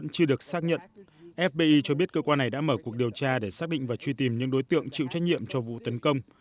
chúng tôi biết cơ quan này đã mở cuộc điều tra để xác định và truy tìm những đối tượng chịu trách nhiệm cho vụ tấn công